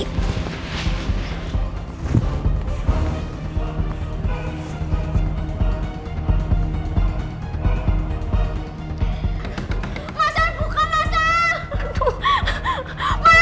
mas al buka mas al